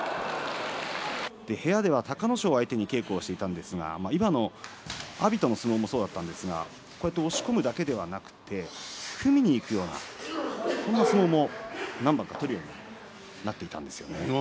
部屋では隆の勝を相手に稽古をしていたんですが阿炎との相撲もそうだったんですが押し込むだけではなく組みにいくようなそんな相撲も何番か取るようになっていたんですよね。